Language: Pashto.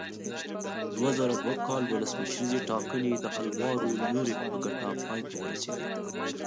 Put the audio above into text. دوه زره دوه کال ولسمشریزې ټاکنې د الوارو یوریب په ګټه پای ته ورسېدې.